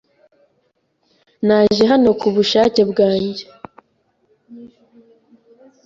Naje hano kubushake bwanjye.